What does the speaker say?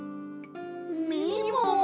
みもも。